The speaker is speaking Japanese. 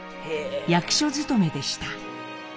役所勤めでした。